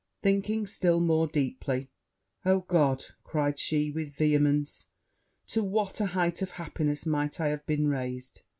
Thinking still more deeply, 'O God!' cried she with vehemence, 'to what a height of happiness might I have been raised!